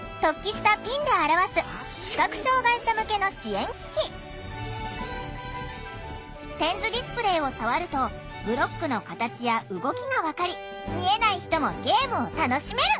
点図ディスプレーとは点図ディスプレーを触るとブロックの形や動きが分かり見えない人もゲームを楽しめる。